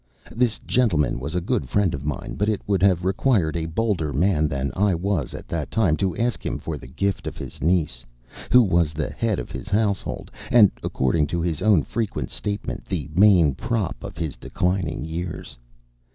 This gentleman was a good friend of mine, but it would have required a bolder man than I was at that time to ask him for the gift of his niece, who was the head of his household, and, according to his own frequent statement, the main prop of his declining years.